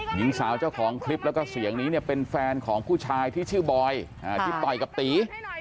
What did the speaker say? หญิงสาวเจ้าของคลิปแล้วก็เสียงนี้เนี่ยเป็นแฟนของผู้ชายที่ชื่อบอยที่ต่อยกับตี